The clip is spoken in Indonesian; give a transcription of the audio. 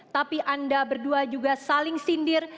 tapi anda berdua juga saling sindir